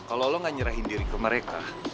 kalau lo gak nyerahin diri ke mereka